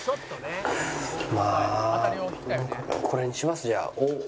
まあこれにしますじゃあ。